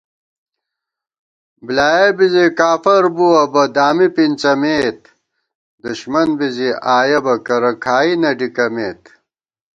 بۡلیایَہ بی زِی کافر بُوَہ بہ ، دامی پِنڅَمېت * دُݭمن بی زی آیَہ بہ کرہ کھائی نہ ڈِکَمېت